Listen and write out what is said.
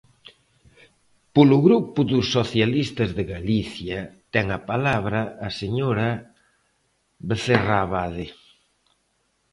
Polo Grupo dos Socialistas de Galicia, ten a palabra a señora Vecerra Abade.